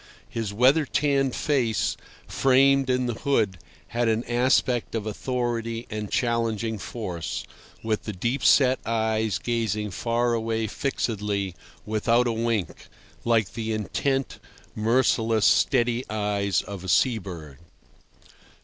His weather tanned face, framed in the hood, had an aspect of authority and challenging force, with the deep set eyes gazing far away fixedly, without a wink, like the intent, merciless, steady eyes of a sea bird.